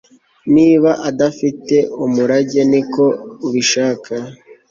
Niba adafite umurage niko ubishaka